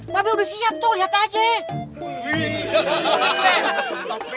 tapi udah siap tuh lihat aja